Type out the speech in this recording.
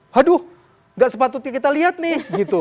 haduh gak sepatutnya kita lihat nih